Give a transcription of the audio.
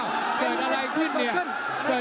บวกเลยเจออย่างนี้อย่างนี้